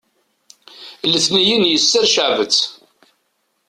letniyen yesser ceɛbet